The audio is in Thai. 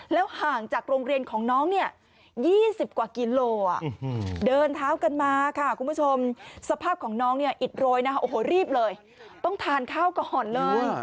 ห่างจากโรงเรียนของน้องเนี่ย๒๐กว่ากิโลเดินเท้ากันมาค่ะคุณผู้ชมสภาพของน้องเนี่ยอิดโรยนะคะโอ้โหรีบเลยต้องทานข้าวก่อนเลย